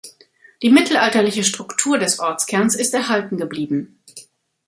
Die mittelalterliche Struktur des Ortskerns ist erhalten geblieben.